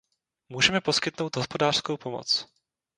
Můžeme poskytnout hospodářskou pomoc.